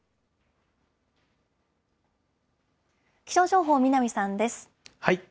気象情報、南さんです。